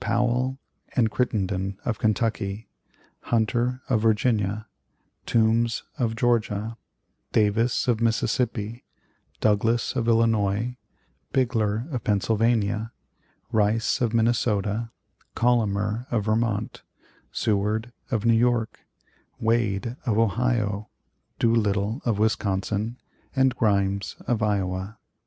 Powell and Crittenden, of Kentucky; Hunter, of Virginia; Toombs, of Georgia; Davis, of Mississippi; Douglas, of Illinois; Bigler, of Pennsylvania; Rice, of Minnesota; Collamer, of Vermont; Seward, of New York; Wade, of Ohio; Doolittle, of Wisconsin; and Grimes, of Iowa.